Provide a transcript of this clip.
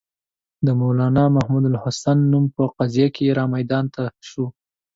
د مولنا محمودالحسن نوم په قضیه کې را میدان ته شو.